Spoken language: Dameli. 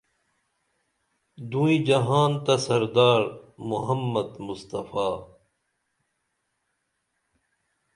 دوئیں جہان تہ سردار محمد مصطفےٰ